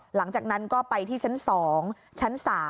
หลังจากนั้นก็ไปที่ชั้น๒ชั้น๓